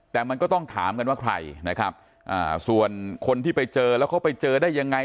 แต่มันก็ต้องถามกันว่าใครนะครับส่วนคนที่ไปเจอแล้วเขาไปเจอได้ยังไง